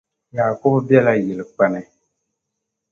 Yakubu be la yilikpani